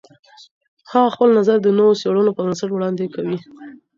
هغه خپل نظر د نوو څېړنو پر بنسټ وړاندې کوي.